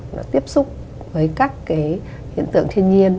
nó tiếp xúc với các cái hiện tượng thiên nhiên